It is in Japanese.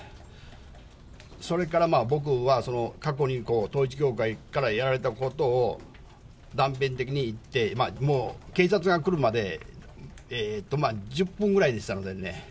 それから僕は過去に統一教会からやられたことを断片的に言って、もう警察が来るまで、１０分ぐらいでしたのでね。